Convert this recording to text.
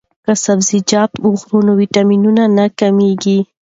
که سبزیجات وخورو نو ویټامین نه کمیږي.